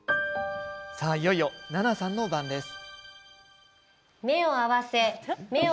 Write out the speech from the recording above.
いよいよ、奈々さんの番です。